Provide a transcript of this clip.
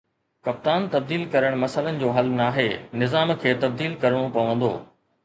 ڪپتان تبديل ڪرڻ مسئلن جو حل ناهي، نظام کي تبديل ڪرڻو پوندو